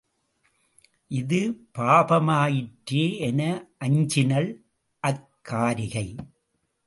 இது பாபமாயிற்றே என அஞ்சினள் அக்காரிகை.